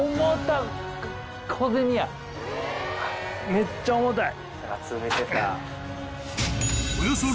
めっちゃ重たい。